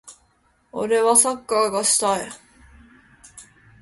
俺はサッカーがしたい。